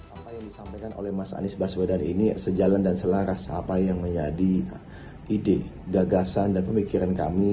apa yang disampaikan oleh mas anies baswedan ini sejalan dan selaras apa yang menjadi ide gagasan dan pemikiran kami